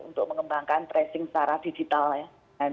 untuk mengembangkan tracing secara digital ya